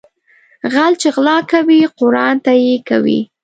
غل چې غلا کوي قرآن ته يې کوي